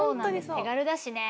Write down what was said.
手軽だしね。